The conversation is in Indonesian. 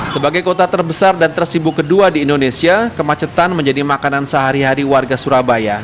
sebagai kota terbesar dan tersibuk kedua di indonesia kemacetan menjadi makanan sehari hari warga surabaya